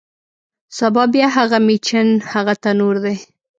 سبا بیا هغه میچن، هغه تنور دی